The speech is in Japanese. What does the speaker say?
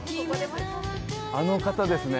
あの方ですね